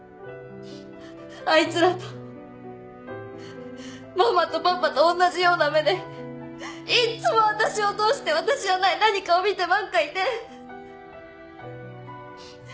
あいつらとママとパパと同じような目でいっつも私を通して私じゃない何かを見てばっかいて。